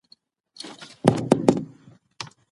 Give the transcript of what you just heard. واجبات او حقوق بايد زده کړو.